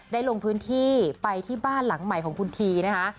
ลงพื้นที่ไปที่บ้านหลังใหม่ของคุณทีนะคะ